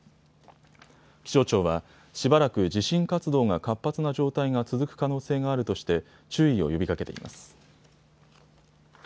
気象庁は、しばらく地震活動が活発な状態が続く可能性があるとして注意を呼びかけています。